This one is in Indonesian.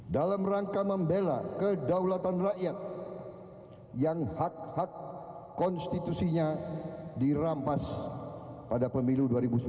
dalam rangka membela kedaulatan rakyat yang hak hak konstitusinya dirampas pada pemilu dua ribu sembilan belas